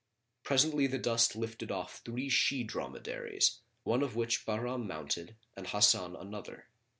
Presently the dust lifted off three she dromedaries, one of which Bahram mounted and Hasan another.